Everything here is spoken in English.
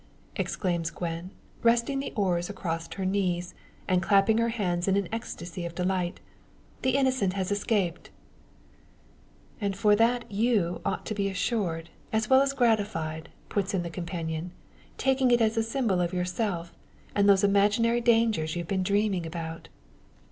exclaims Gwen, resting the oars across her knees, and clapping her hands in an ecstasy of delight. "The innocent has escaped!" "And for that you ought to be assured, as well as gratified;" puts in the companion, "taking it as a symbol of yourself, and those imaginary dangers you've been dreaming about."